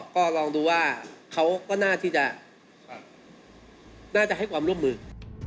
ก็ลองดูว่าเขาก็น่าที่จะน่าจะให้ความร่วมมือ